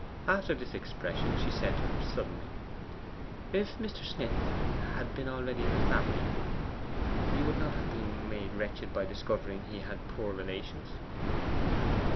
After this expression, she said to him suddenly: 'If Mr. Smith had been already in the family, you would not have been made wretched by discovering he had poor relations?